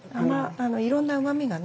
いろんなうまみがね。